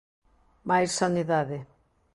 Máis Sanidade.